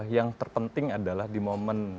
yang terpenting adalah di momen